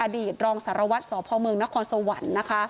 อดีตรองศาลวัฒน์สพนครสวรรค์